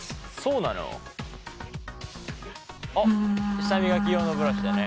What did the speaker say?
舌磨き用のブラシでね。